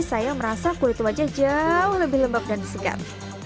saya merasa kulit wajah jauh lebih lembab dan segar